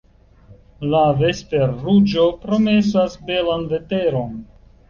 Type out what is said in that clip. La vesperruĝo promesas belan veteron.